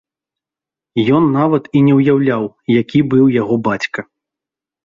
Ён нават і не ўяўляў, які быў яго бацька.